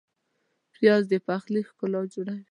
پیاز د پخلي ښکلا جوړوي